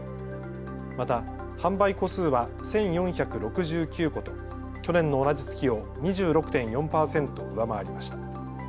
また販売戸数は１４６９戸と去年の同じ月を２６．４％上回りました。